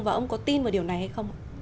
và ông có tin vào điều này hay không